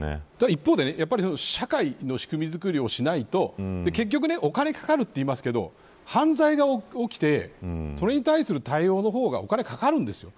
一方で社会の仕組み作りをしないと結局お金がかかると言いますけど犯罪が起きてそれに対する対応の方がお金かかるんです。